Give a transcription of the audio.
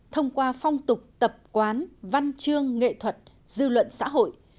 thông qua phong tục tập quán văn chương nghệ thuật dư luận xã hội